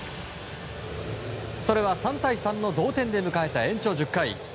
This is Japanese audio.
それは３対３の同点で迎えた延長１０回。